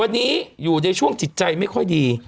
วันนี้อยู่ในช่วงจิตใจไม่ค่อยดี